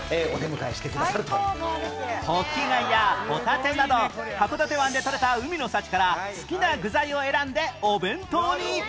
北寄貝やホタテなど函館湾でとれた海の幸から好きな具材を選んでお弁当に